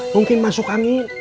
mungkin masuk angin